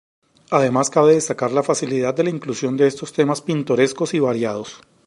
Además cabe destacar la facilidad de la inclusión de estos temas pintorescos y variados.